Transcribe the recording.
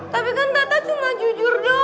tapi kan tata cuma jujur doang